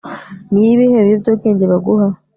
ni ibihe biyobyabwenge baguha